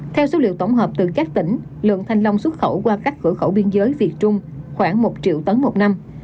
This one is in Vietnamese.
theo số liệu tổng hợp từ các tỉnh lượng thanh long xuất khẩu qua các cửa khẩu biên giới việt trung khoảng một triệu tấn một năm